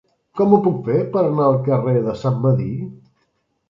Com ho puc fer per anar al carrer de Sant Medir?